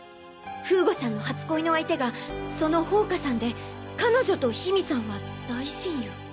風悟さんの初恋の相手がその宝華さんで彼女と緋美さんは大親友。